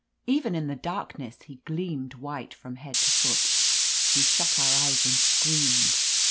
Even in the darkness he gleamed white from head to foot. We shut our eyes and screamed.